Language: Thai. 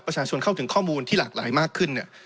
ประชาชนเข้าถึงข้อมูลที่หลากหลายมากขึ้นเนี่ย